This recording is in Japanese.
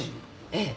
ええ。